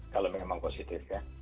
kalau memang positif ya